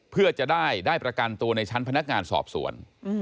เพื่อจะได้ประกันตัวในชั้นพนักงานสอบสวน